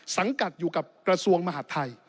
สังกัดอยู่กับกระทรวงมหาดไทย